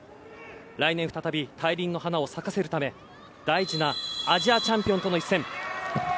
来年、再び大輪の花を咲かせるため大事なアジアチャンピオンとの一戦。